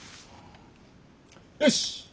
よし！